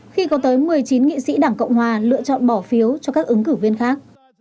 khi có tới một mươi chín nghị sĩ đảng cộng hòa lựa chọn bỏ phiếu cho các ứng cử viên khác